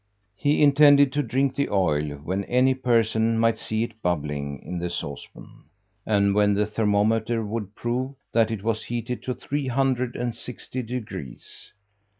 He intended to drink the oil when any person might see it bubbling in the saucepan, and when the thermometer would prove that it was heated to three hundred and sixty degrees.